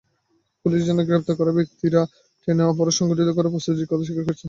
Police জানায়, গ্রেপ্তার করা ব্যক্তিরা ট্রেনে অপরাধ সংঘটিত করতে প্রস্তুতির কথা স্বীকার করেছেন।